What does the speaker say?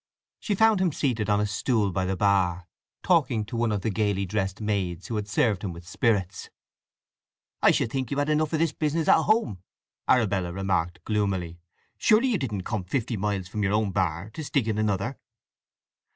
She found him seated on a stool by the bar, talking to one of the gaily dressed maids who had served him with spirits. "I should think you had enough of this business at home!" Arabella remarked gloomily. "Surely you didn't come fifty miles from your own bar to stick in another?